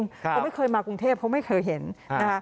ครับเคยมากรุงเทพเค้าไม่เคยเห็นนะฮะ